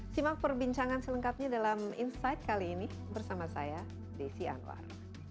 simak perbincangan selengkapnya dalam insight kali ini bersama saya desi anwar